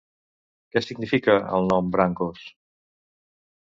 Què significa el nom Brancos?